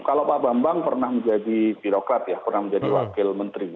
kalau pak bambang pernah menjadi birokrat ya pernah menjadi wakil menteri